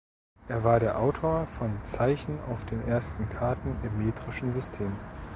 Er war der Autor von Zeichen auf den ersten Karten im Metrischen System.